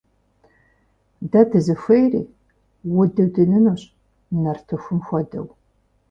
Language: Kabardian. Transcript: Дэ дызыхуейри? Удудынынущ! Нартыхум хуэдэу.